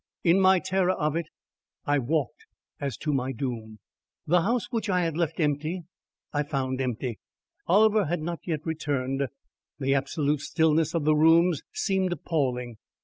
In my terror of it I walked as to my doom. The house which I had left empty, I found empty; Oliver had not yet returned. The absolute stillness of the rooms seemed appalling.